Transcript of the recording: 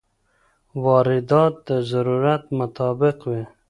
واردات د ضرورت مطابق وي.